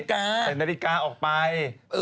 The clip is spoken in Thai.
ตรวจนาฬิกาออกไป